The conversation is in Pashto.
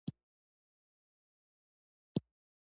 ډیپلوماسي د دولتونو ترمنځ د سیاسي اړیکو بنسټ ایږدي.